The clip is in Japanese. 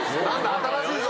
新しいぞ！